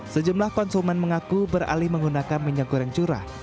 sejumlah konsumen mengaku beralih menggunakan minyak goreng curah